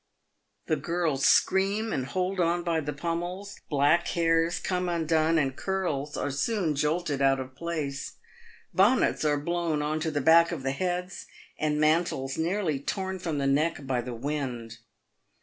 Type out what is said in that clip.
The girls scream, and hold on by the pommels ; back hairs come undone, and curls are soon jolted out of place. Bonnets are blown on to the back of the heads, and mantles nearly torn from the neck by the wind.